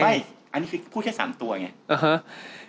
อันนี้คือพูดแค่๓ตัวไง